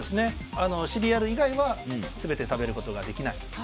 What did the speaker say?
シリアル以外は全て食べることができない。